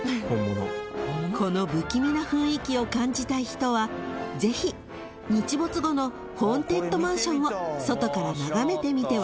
［この不気味な雰囲気を感じたい人はぜひ日没後のホーンテッドマンションを外から眺めてみては？］